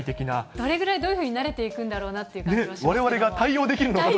どれぐらいどういうふうに慣れていくんだろうなという感じもしますけれども。